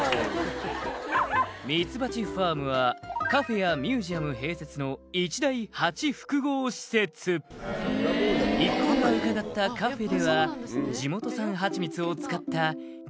「みつばちファームはカフェやミュージアム併設の一大」「一行が伺ったカフェでは地元産はちみつを使った」